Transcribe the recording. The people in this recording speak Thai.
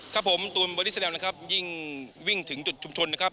ครับผมตูนบอดี้แลมนะครับยิ่งวิ่งถึงจุดชุมชนนะครับ